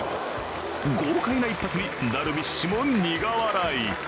豪快な一発にダルビッシュも苦笑い。